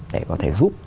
để có thể giúp